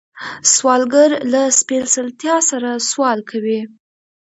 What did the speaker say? سوالګر له سپېڅلتیا سره سوال کوي